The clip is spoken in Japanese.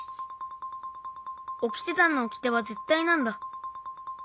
オキテ団のオキテはぜったいなんだ。